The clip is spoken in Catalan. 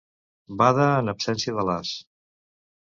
Bada en absència de l'as.